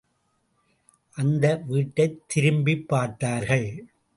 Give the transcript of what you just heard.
அந்த வீட்டைத் திரும்பிப் பார்த்தார்கள்.